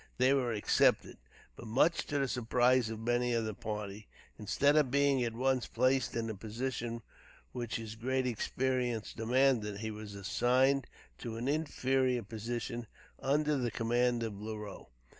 They were accepted, but, much to the surprise of many of the party, instead of being at once placed in the position which his great experience demanded, he was assigned to an inferior position under the command of Leroux.